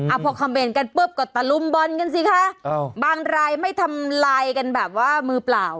พอคอมเมนต์กันปุ๊บก็ตะลุมบอลกันสิคะอ้าวบางรายไม่ทำลายกันแบบว่ามือเปล่า